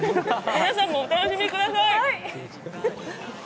皆さんもお楽しみください。